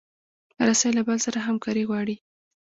رسۍ له بل سره همکاري غواړي.